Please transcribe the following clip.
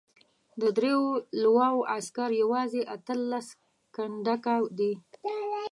د دریو لواوو عسکر یوازې اته لس کنډکه دي.